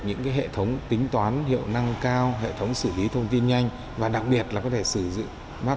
những hệ thống tính toán hiệu năng cao hệ thống xử lý thông tin nhanh và đặc biệt là có thể sử dụng mart